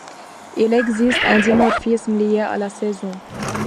Il existe un dimorphisme lié à la saison.